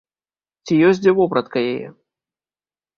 Ці ёсць дзе вопратка яе?